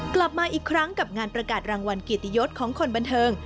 กลับมาอีกครั้งกับงานประกาศรางวัลเกียรติยศของคนบันเทิง